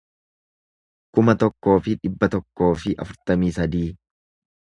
kuma tokkoo fi dhibba tokkoo fi afurtamii sadii